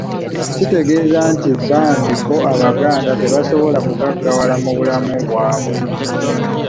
Kitegeeza nti bambi bo Abaganda tebasobola kugaggawala mu bulamu bwabwe